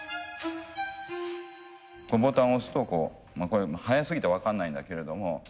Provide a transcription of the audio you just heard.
ボタンを押すとこう速すぎて分かんないんだけれども。